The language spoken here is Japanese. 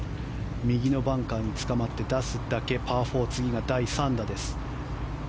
右のバンカーにつかまって出すだけ、パー４次が第３打です。